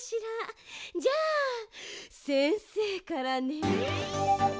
じゃあせんせいからね。